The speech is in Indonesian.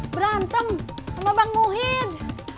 berantem sama bang muhid